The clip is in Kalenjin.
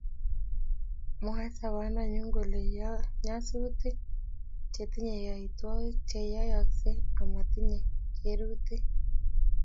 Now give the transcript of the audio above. Mwae sobondondanyu kole nyasutik che tinye yaitwakik che yayaksei amatinye kerutik